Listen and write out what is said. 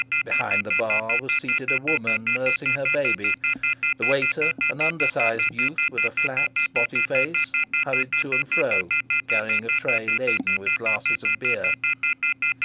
Behind the bar was seated a woman nursing her baby. The waiter, an undersized youth with a flat, spotty face, hurried to and fro carrying a tray laden with glasses of beer.